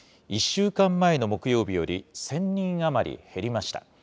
１週間前の木曜日より１０００人余り減りました。